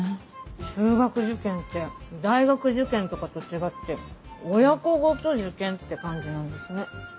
中学受験って大学受験とかと違って親子ごと受験って感じなんですね。